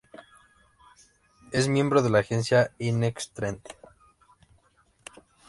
Es miembro de la agencia "In Next Trend".